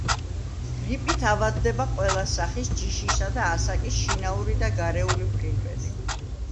გრიპით ავადდება ყველა სახის, ჯიშისა და ასაკის შინაური და გარეული ფრინველი.